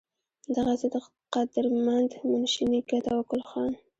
دغسې د قدرمند منشي نيکۀ توکل خان